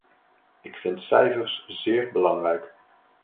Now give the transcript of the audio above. Ik vind cijfers zeer belangrijk.